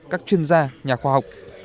các chuyên gia nhà khoa học